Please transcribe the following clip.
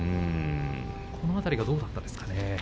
この辺りどうだったんでしょうかね。